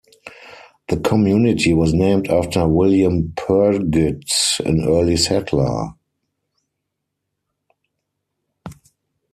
The community was named after William Purgit, an early settler.